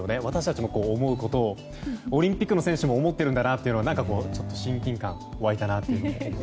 私たちも思うことをオリンピックの選手も思ってるんだなっていうのは親近感湧いたなと。